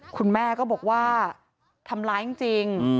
คุณแม่ก็บอกว่าทำร้ายจริง